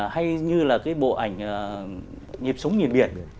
hay như là cái bộ ảnh nhịp sống nhìn biển